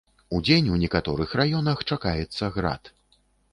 Удзень у некаторых раёнах чакаецца град.